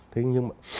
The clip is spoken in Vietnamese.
thế nhưng mà